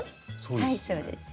はいそうです。